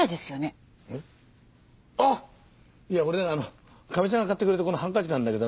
いやこれあのかみさんが買ってくれたこのハンカチなんだけどな。